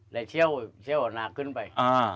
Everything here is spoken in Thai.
ได้เชี่ยวหนักขึ้นไป